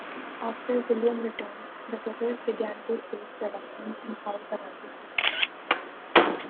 After William returned, the brothers began to stage productions in halls around the city.